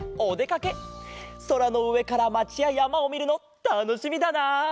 そらのうえからまちややまをみるのたのしみだな。